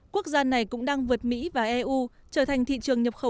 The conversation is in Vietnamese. quốc gia này cũng đang vượt mỹ và eu trở thành thị trường nguyên liệu